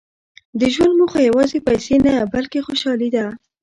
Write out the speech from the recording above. • د ژوند موخه یوازې پیسې نه، بلکې خوشالي ده.